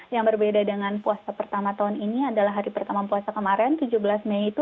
yang berbeda dengan puasa pertama tahun ini adalah hari pertama puasa kemarin tujuh belas mei itu